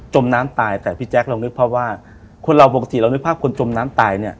มน้ำตายแต่พี่แจ๊คเรานึกภาพว่าคนเราปกติเรานึกภาพคนจมน้ำตายเนี่ย